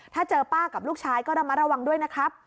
ถ้าเจอป้ากับลูกชายก็ระมัดระวังด้วยนะครับ